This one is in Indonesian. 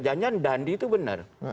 jangan jangan dandi itu benar